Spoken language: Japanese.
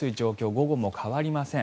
午後も変わりません。